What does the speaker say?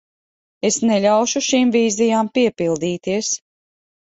Es neļaušu šīm vīzijām piepildīties.